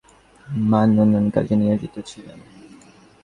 তিনি উপন্যাসটির ব্যাপক সংশোধন এবং মান-উন্নয়নের কাজে নিয়োজিত ছিলেন।